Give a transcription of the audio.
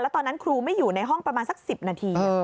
ตอนนั้นครูไม่อยู่ในห้องประมาณสัก๑๐นาที